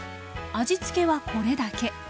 味付けはこれだけ。